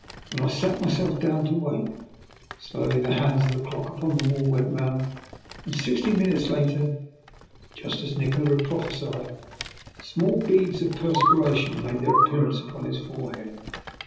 Then I sat myself down to wait. Slowly the hands of the clock upon the wall went round, and sixty minutes later, just as Nikola had prophesied, small beads of DR. NIKOLA'S EXPERIMENT. 229 perspiration made their appearance upon his forehead.